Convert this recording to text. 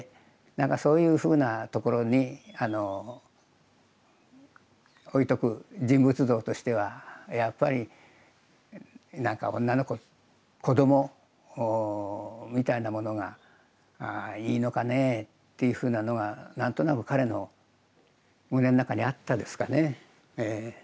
何かそういうふうなところに置いとく人物像としてはやっぱり何か女の子子供みたいなものがいいのかねっていうふうなのが何となく彼の胸の中にあったですかねええ。